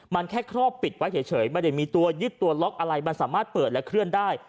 มันแค่ครอบปิดไว้เฉยไม่ได้มีตัวยึดตัวล็อกอะไรมันสามารถเปิดและเคลื่อนได้